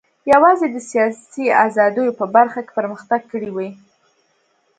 یوازې د سیاسي ازادیو په برخه کې پرمختګ کړی و.